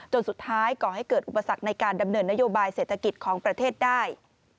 สุดท้ายก่อให้เกิดอุปสรรคในการดำเนินนโยบายเศรษฐกิจของประเทศได้